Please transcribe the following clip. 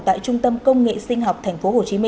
tại trung tâm công nghệ sinh học tp hcm